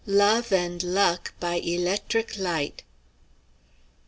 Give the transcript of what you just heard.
LOVE AND LUCK BY ELECTRIC LIGHT.